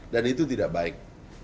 dan itu tidak baik